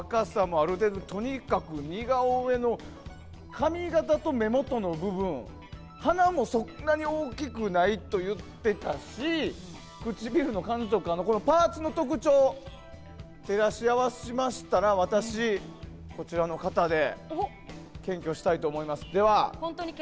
ある程度、とにかく似顔絵の髪形と目元の部分鼻もそんなに大きくないと言ってたし唇の感じとかパーツの特徴を照らし合わせましたら私、こちらの方で検挙したいと思います。